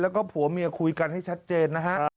แล้วก็ผัวเมียคุยกันให้ชัดเจนนะฮะ